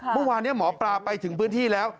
เมื่อวานนี้หมอปลาไปถึงพื้นที่แล้ว